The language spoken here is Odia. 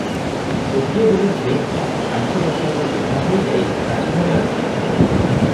ଗୋଟିଏ ବୋଲି ଝିଅ ଥିଲା, ପାଞ୍ଚ ବର୍ଷହେଲା ବିଭା ହୋଇ ଯାଇ ଶାଶୁଘରେ ଅଛି ।